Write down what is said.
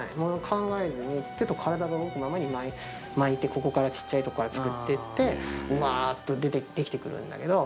考えずに手と体が動くままに巻いてここからちっちゃいとこから作っていってうわーっとできてくるんだけど。